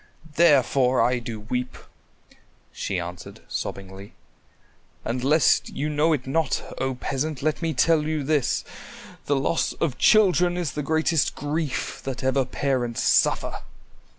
Therefore I do weep," she answered sobbingly, "and lest you know it not, O Peasant, let me tell you this; the loss of children is the greatest grief that ever parents suffer."